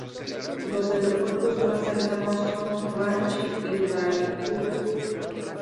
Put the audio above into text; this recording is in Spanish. Los aeropuertos más cercanos son Ranchi y Raipur.